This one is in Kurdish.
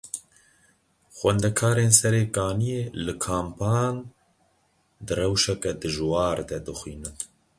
Xwendekarên Serê Kaniyê li kampan di rewşeke dijwar de dixwînin.